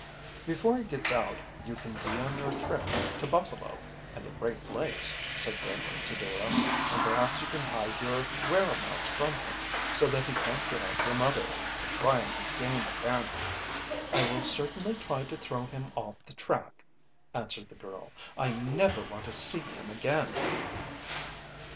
"Before he gets out you can be on your trip to Buffalo and the Great Lakes," said Dick to Dora. "And perhaps you can hide your whereabouts from him, so that he can't get at your mother, to try on his game again." "I will certainly try to throw him off the track," answered the girl. "I never want to see him again."